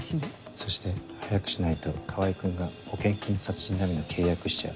そして早くしないと川合君が保険金殺人並みの契約しちゃう。